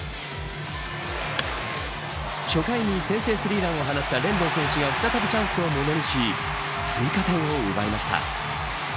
初回に先制スリーランを放ったレンドン選手が再びチャンスを物にし追加点を奪いました。